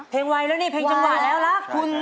ไวแล้วนี่เพลงจังหวะแล้วรักคุณ